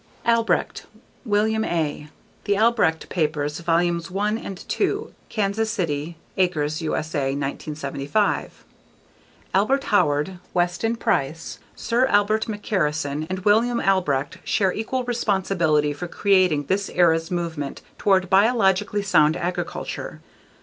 Albrecht, William A. The Albrecht Papers, Vols 1 &2. Kansas City: Acres, USA 1975. Albert Howard, Weston Price, Sir Robert McCarrison, and William Albrecht share equal responsibility for creating this era's movement toward biologically sound agriculture.